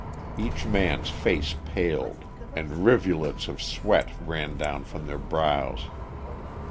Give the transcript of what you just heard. Each man's face paled, and rivulets of sweat ran down from their brows.